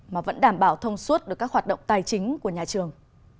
mà vẫn đảm bảo thông suốt được các hoạt động tài chính của nhà trường